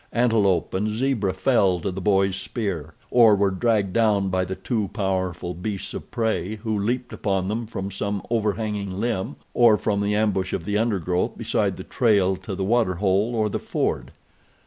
Antelope and zebra fell to the boy's spear, or were dragged down by the two powerful beasts of prey who leaped upon them from some overhanging limb or from the ambush of the undergrowth beside the trail to the water hole or the ford.